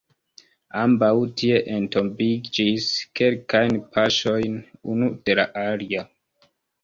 Ambaŭ tie entombiĝis, kelkajn paŝojn unu de la alia.